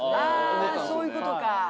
あそういうことか。